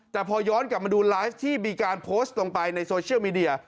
แต่พอย้อนกลับมาดูไลฟ์ที่มีการโพสต์ลงไปในโซเชียลมีเดีย